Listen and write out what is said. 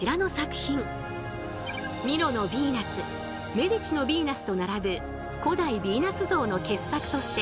「メディチのヴィーナス」と並ぶ古代ヴィーナス像の傑作として